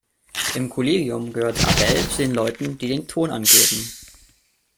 Im Kollegium gehört Abel zu den Leuten, die den Ton angeben.